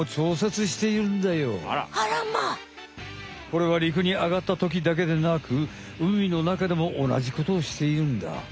これは陸にあがったときだけでなく海の中でもおなじことをしているんだ。